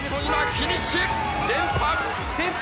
フィニッシュ！